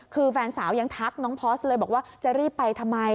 คือแฟนสาวยังทักน้องพอร์สเลยบอกว่าจะรีบไปทำไม